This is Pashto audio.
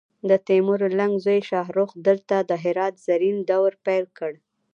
د تیمور لنګ زوی شاهرخ دلته د هرات زرین دور پیل کړ